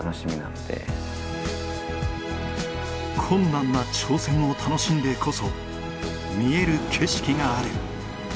困難な挑戦を楽しんでこそ見える景色がある。